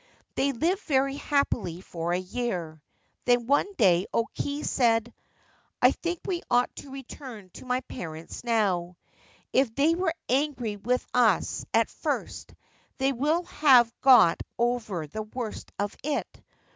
They lived very happily for a year. Then one day O Kei said: ' 1 think we ought to return to my parents now. If they were angry with us at first they will have got over the worst of it.